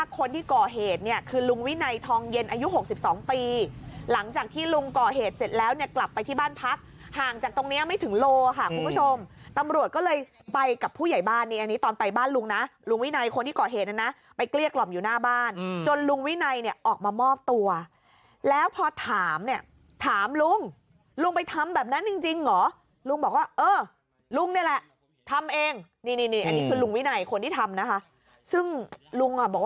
ก่อเหตุเนี่ยคือลุงวินัยทองเย็นอายุ๖๒ปีหลังจากที่ลุงก่อเหตุเสร็จแล้วเนี่ยกลับไปที่บ้านพักห่างจากตรงเนี่ยไม่ถึงโลค่ะคุณผู้ชมตำรวจก็เลยไปกับผู้ใหญ่บ้านนี้อันนี้ตอนไปบ้านลุงนะลุงวินัยคนที่ก่อเหตุนั้นนะไปเกลี้ยกรอบอยู่หน้าบ้านจนลุงวินัยเนี่ยออกมามอบตัวแล้วพอถามเนี่ยถามลุงลุง